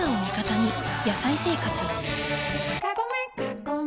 「野菜生活」